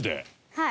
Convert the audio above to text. はい。